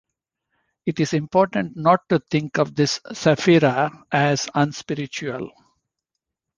It is important not to think of this Sephirah as "unspiritual".